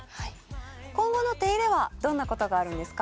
今後の手入れはどんなことがあるんですか？